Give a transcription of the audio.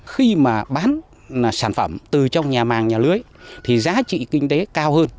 khi mà bán sản phẩm từ trong nhà màng nhà lưới thì giá trị kinh tế cao hơn